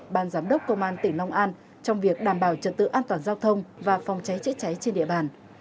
ban giám đốc công an tỉnh long an trong việc đảm bảo trật tự an toàn giao thông và phòng cháy chữa cháy trên địa bàn